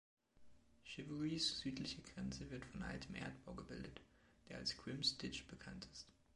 Chiverys südliche Grenze wird von altem Erdbau gebildet, der als Grim‘s Ditch bekannt ist.